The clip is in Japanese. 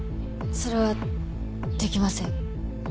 それはできません。